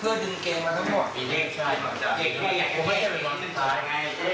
และนี่เป็นแผ่นของอาจารย์ให้แก้วันสุดท้ายเพื่อดึงเกรงมาทั้งหมด